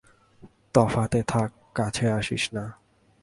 তফাতে থাক্, কাছে আসিস না।